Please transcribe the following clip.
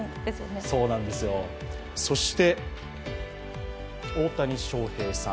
そして、大谷翔平さん